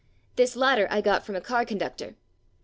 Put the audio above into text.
This latter I got from a car conductor.